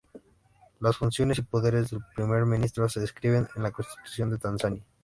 Las funciones y poderes del Primer Ministro se describen en la Constitución de Tanzania.